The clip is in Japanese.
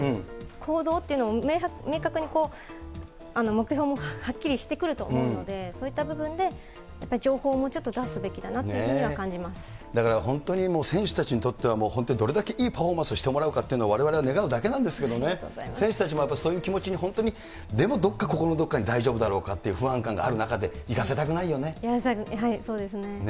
行動っていうのを明確に目標もはっきりしてくると思うので、そういった部分でやっぱり情報をもうちょっと出すべきだなというだから本当にもう選手たちにとっては、本当にどれだけいいパフォーマンスをしてもらうかというのを、われわれは願うだけなんですけどね、選手たちもそういう気持ちに本当に、でもどっか心のどっかに大丈夫だろうかっていう不安感がある中でそうですね。